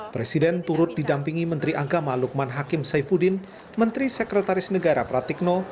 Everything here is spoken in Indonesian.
presiden turut didampingi menteri agama lukman hakim saifuddin menteri sekretaris negara pratikno